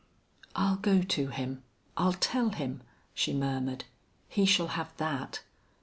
"I'll go to him. I'll tell him," she murmured. "He shall have _that!